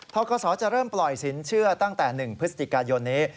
ทกศจะเริ่มปล่อยสินเชื่อตั้งแต่๑พฤศจิกายนนี้